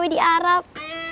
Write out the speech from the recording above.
tkw di arab